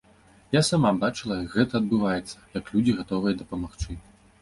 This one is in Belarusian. Я сама бачыла, як гэта адбываецца, як людзі гатовыя дапамагчы.